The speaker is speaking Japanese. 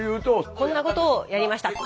こんなことをやりました。